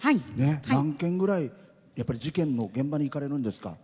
何件ぐらい事件の現場に行かれるんですか？